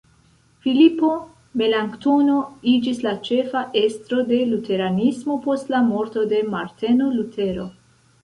Filipo Melanktono iĝis la ĉefa estro de luteranismo post la morto de Marteno Lutero.